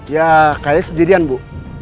ya kayaknya sendirian bu